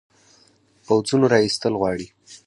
پوځونو را ایستل غواړي.